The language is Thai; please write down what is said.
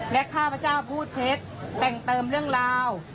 และข้าพเจ้าพูดเท็จแต่งเติมเรื่องราว